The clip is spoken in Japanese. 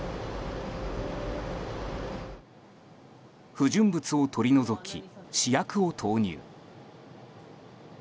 不純物を取り除き試薬を投入。